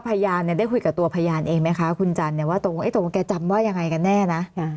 พยานได้คุยกับตัวพยานเองไหมคะคุณจันทร์ว่าตกลงแกจำว่ายังไงกันแน่นะ